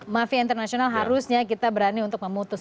mafia internasional harusnya kita berani untuk memutus